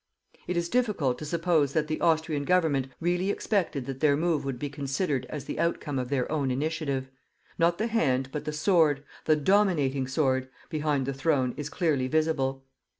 It is difficult to suppose that the Austrian Government really expected that their move would be considered as the outcome of their own initiative. Not the hand, but the sword the dominating sword behind the Throne is clearly visible.